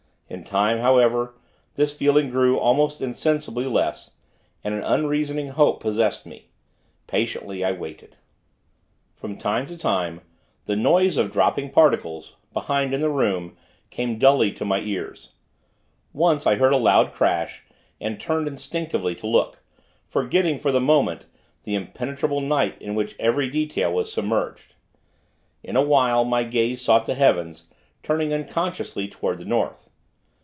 In time, however, this feeling grew, almost insensibly, less, and an unreasoning hope possessed me. Patiently, I waited. From time to time, the noise of dropping particles, behind in the room, came dully to my ears. Once, I heard a loud crash, and turned, instinctively, to look; forgetting, for the moment, the impenetrable night in which every detail was submerged. In a while, my gaze sought the heavens; turning, unconsciously, toward the North.